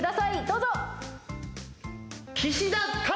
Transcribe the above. どうぞ。